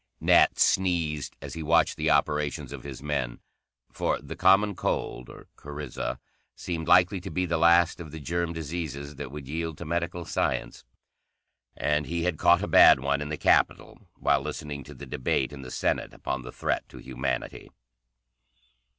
Nat sneezed as he watched the operations of his men, for the common cold, or coryza, seemed likely to be the last of the germ diseases that would yield to medical science, and he had caught a bad one in the Capitol, while listening to the debate in the Senate upon the threat to humanity.